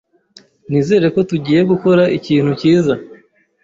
Nizere ko tugiye gukora ikintu cyiza.